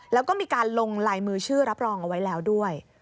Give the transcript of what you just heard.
แล้วก็มีการลงลายมือชื่อรับรองเอาไว้แล้วด้วย